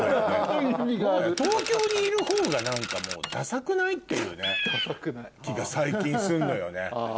東京にいるほうが何かもうダサくない？っていう気が最近すんのよね。